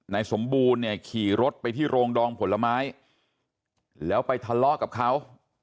สมบูรณ์เนี่ยขี่รถไปที่โรงดองผลไม้แล้วไปทะเลาะกับเขา